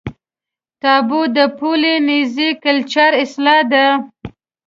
تابو د پولي نیزي کلچر اصطلاح ده.